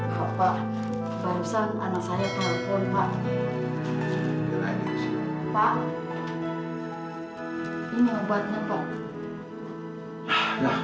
kenapa rasam pak edwi ya